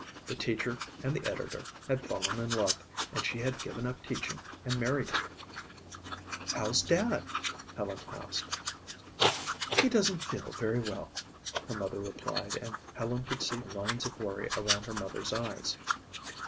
The teacher and the editor had fallen in love and she had given up teaching and married him. "How's Dad?" Helen asked. "He doesn't feel very well," her mother replied and Helen could see lines of worry around her mother's eyes.